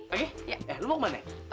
oke eh lo mau kemana ya